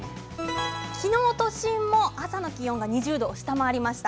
昨日の都心も朝の気温が２０度を下回りました。